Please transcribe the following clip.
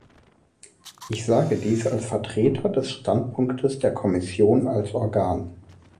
Ich sage dies als Vertreter des Standpunktes der Kommission als Organ.